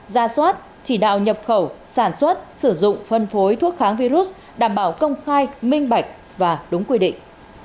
ra soát chỉ đạo nhập khẩu sản xuất sử dụng phân phối thuốc kháng virus đảm bảo công khai minh bạch và đúng quy định